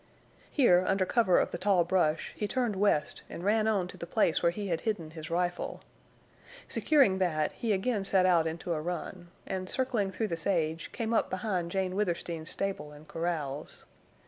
Here, under cover of the tall brush, he turned west and ran on to the place where he had hidden his rifle. Securing that, he again set out into a run, and, circling through the sage, came up behind Jane Withersteen's stable and corrals.